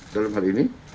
dalam hal ini